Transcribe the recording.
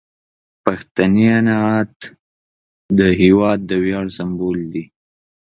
پښتني عنعنات د هیواد د ویاړ سمبول دي.